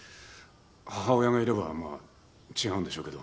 母親がいればまあ違うんでしょうけど。